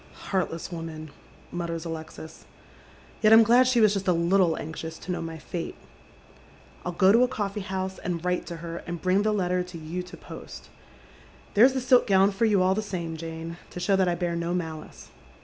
" Heartless woman !" mutters Alexis. " Yet I'm glad she was just a little anxious to know my fate. I'll go to a coffee liouHe, and write to her, and bring the letter to you to post. There's the silk gown for you all the same, Jane, to show that I bear no malice."